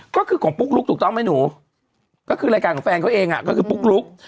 ก็คือของปุ๊กลุ๊กถูกต้องไหมหนูก็คือรายการของแฟนเขาเองก็คือปุ๊กลุ๊ก